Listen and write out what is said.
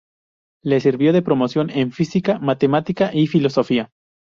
Le sirvió de promoción en física, matemática y filosofía.